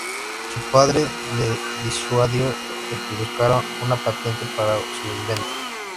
Su padre le disuadió de que buscara una patente para su invento.